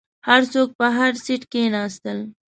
هر څوک په هر سیټ کښیناستل.